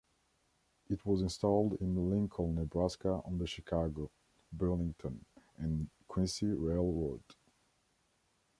It was installed in Lincoln, Nebraska on the Chicago, Burlington and Quincy Railroad.